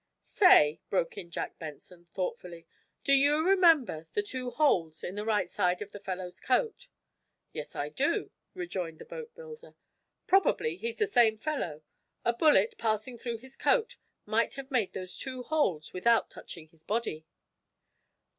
"Say," broke in Jack Benson, thoughtfully, "do you remember the two holes in the right side of the fellow's coat?" "Yes, I do," rejoined the boatbuilder. "Probably he's the same fellow. A bullet, passing through his coat, might have made those two holes without touching his body."